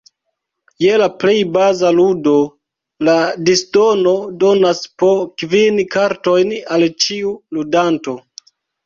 Je la plej baza ludo, la disdono donas po kvin kartojn al ĉiu ludanto.